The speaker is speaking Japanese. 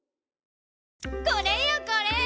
これよこれ！